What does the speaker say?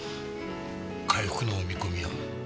回復の見込みは？